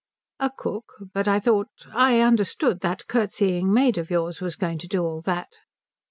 "A cook? But I thought I understood that curtseying maid of yours was going to do all that?"